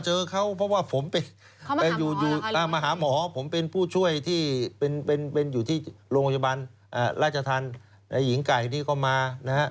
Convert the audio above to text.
เจอเขาเพราะว่าผมมาหาหมอผมเป็นผู้ช่วยที่เป็นอยู่ที่โรงพยาบาลราชธรรมในหญิงไก่นี่ก็มานะฮะ